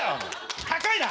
高いな！